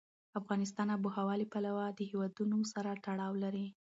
افغانستان د آب وهوا له پلوه له هېوادونو سره تړاو لري.